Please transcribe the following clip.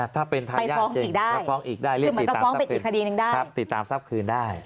ถ้าเป็นทายาทจริงถ้าฟ้องอีกได้เรียกติดตามทรัพย์คืนได้ครับติดตามทรัพย์คืนได้